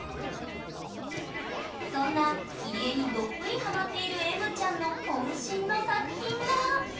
そんな切り絵にどっぷりハマっているえむちゃんのこん身の作品が。